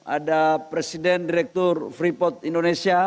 ada presiden direktur freeport indonesia